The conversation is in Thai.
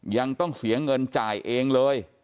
ยังต้องเสียเงินจ่ายเองเลย